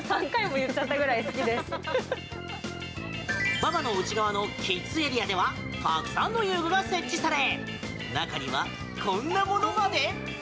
馬場の内側のキッズエリアではたくさんの遊具が設置され中にはこんなものまで。